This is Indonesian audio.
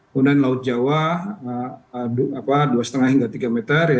kemudian laut jawa dua lima hingga tiga meter